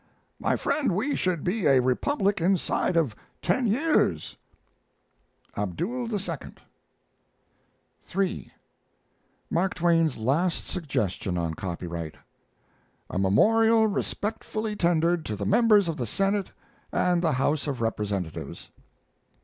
My friend, we should be a republic inside of ten years. ABDUL II. III. MARK TWAIN'S LAST SUGGESTION ON COPYRIGHT. A MEMORIAL RESPECTFULLY TENDERED TO THE MEMBERS OF THE SENATE AND THE HOUSE OF REPRESENTATIVES.